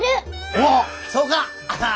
おおそうか！